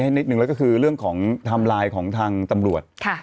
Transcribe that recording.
และนี่ก็คือเรื่องทำลายทางตำรวจ